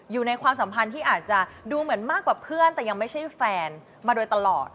ความสัมพันธ์ที่อาจจะดูเหมือนมากกว่าเพื่อนแต่ยังไม่ใช่แฟนมาโดยตลอด